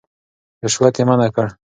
رشوت يې منع کړ.